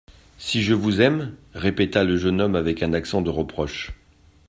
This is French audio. —«Si je vous aime !…» répéta le jeune homme avec un accent de reproche.